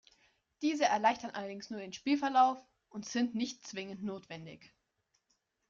Diese erleichtern allerdings nur den Spielverlauf und sind nicht zwingend notwendig.